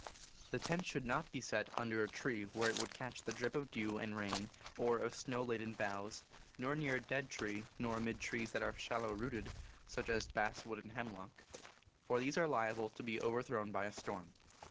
The tent should not be set under a tree where it would catch the drip of dew and rain or of snow laden boughs, nor near a dead tree, nor amid trees that are shallow rooted (such as basswood and hemlock), for these are liable to be overthrown by a storm.